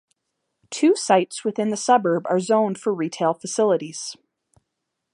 Two sites within the suburb are zoned for retail facilities.